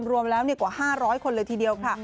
รวมแล้วกว่า๕๐๐คนเลยทีเดียวค่ะ